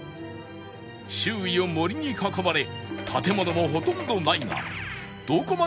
周囲を森に囲まれ建物もほとんどないがどこまで行けば